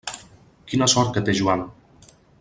Quina sort que té Joan!